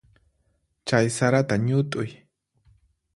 Chay sarata ñut'uy.